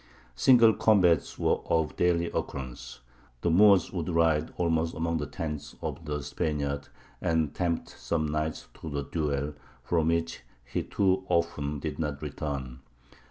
Single combats were of daily occurrence; the Moors would ride almost among the tents of the Spaniards, and tempt some knight to the duel, from which he too often did not return.